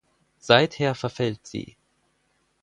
Seither verfällt sie.